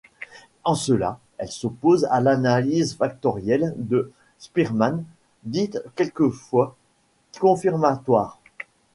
En cela, elles s’opposent à l’analyse factorielle de Spearman, dite quelquefois confirmatoire.